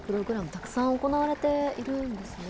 たくさん行われているんですね。